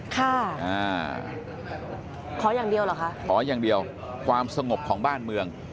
ขออย่างเดียวเหรอคะขออย่างเดียวความสงบของบ้านเมือง